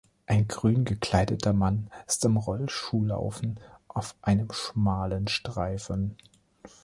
Ein grün gekleideter Mann ist am Rollschuhlaufen auf einem schmalen Streifen.